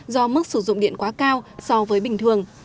do mức sử dụng điện quá cao so với bình thường